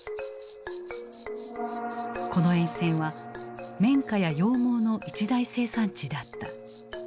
この沿線は綿花や羊毛の一大生産地だった。